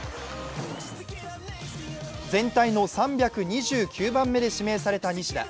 全体の３２９番目で指名された西田。